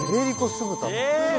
酢豚。